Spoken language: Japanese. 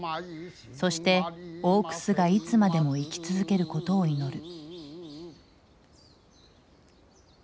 そして大楠がいつまでも生き続けることを祈る。